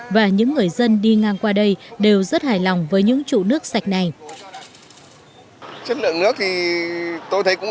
và những người dân đi ngang qua đây đều rất hài lòng với những trụ nước sạch này